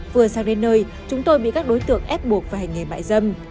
vừa sang đến nơi chúng tôi bị các đối tượng ép buộc phải hành nghề mại dâm